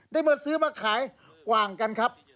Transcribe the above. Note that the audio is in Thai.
ได้มาซื้อมาขายกว่างกันครับ